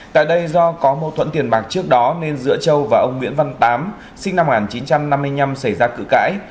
tại đây do có mâu thuẫn tiền bạc trước đó nên giữa châu và ông nguyễn văn tám sinh năm một nghìn chín trăm năm mươi năm xảy ra cự cãi